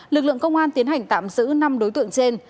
lực lượng công an tiến hành tạm giữ năm đối tượng trên